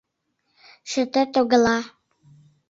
— Чытет огыла.